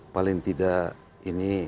paling tidak ini